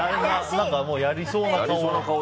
やりそうな顔。